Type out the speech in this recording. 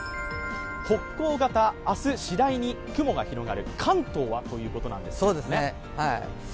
北高型、明日、次第に雲が広がる、関東は？ということなんですが。